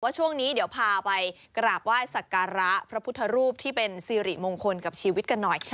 ช่วงนี้เดี๋ยวพาไปกราบไหว้สักการะพระพุทธรูปที่เป็นสิริมงคลกับชีวิตกันหน่อย